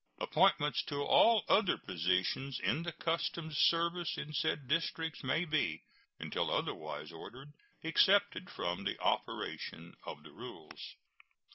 Appointments to all other positions in the customs service in said districts may be, until otherwise ordered, excepted from the operation of the rules.